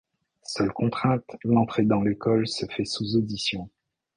Seule contrainte, l'entrée dans l'école se fait sous auditions.